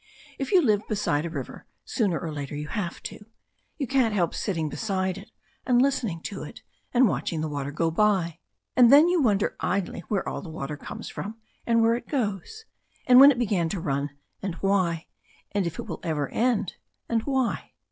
If you live beside a river sooner or later you have to. You can't help sitting beside it, and listening to it, and watching the water go by. And III 112 THE STORY OF A NEW ZEALAND RIVER then you wonder idly where all the water comes from and where it goes, and when it began to run and why, and if it will ever end and why.